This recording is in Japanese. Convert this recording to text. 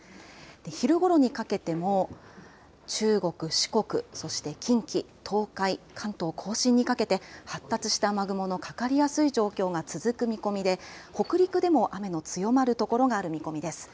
昼ごろにかけても中国、四国、そして近畿、東海、関東甲信にかけて、発達した雨雲のかかりやすい状況が続く見込みで、北陸でも雨の強まる所がある見込みです。